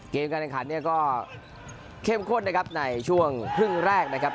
การแข่งขันเนี่ยก็เข้มข้นนะครับในช่วงครึ่งแรกนะครับ